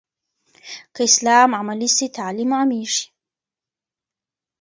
که اسلام عملي سي، تعلیم عامېږي.